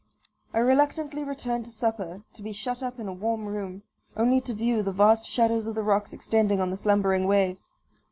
I reluctantly returned to supper, to be shut up in a warm room, only to view the vast shadows of the rocks extending on the slumbering waves.